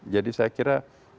jadi saya kira